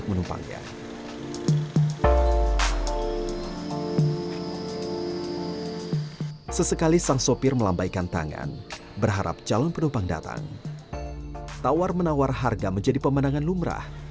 kisah kisah yang terbaik di jakarta